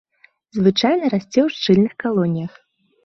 Звычайна расце ў шчыльных калоніях.